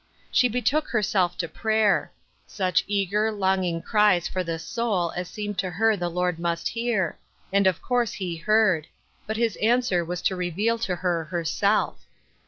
She betook herself to prayer. Such eager, 242 BELATED WORK. longing cries for this soul as it seemed to her the Lord must hear ; and of course he heard ; but his answer was to reveal to her herself.